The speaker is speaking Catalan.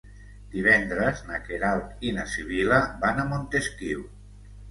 Divendres na Queralt i na Sibil·la van a Montesquiu.